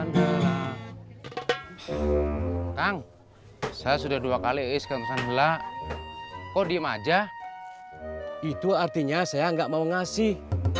tentang saya sudah dua kali iskan hela hela kok diem aja itu artinya saya nggak mau ngasih